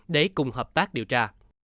để cùng hợp tác điều tra